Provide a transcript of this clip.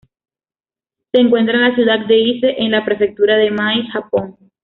Se encuentra en la ciudad de Ise, en la prefectura de Mie, Japón.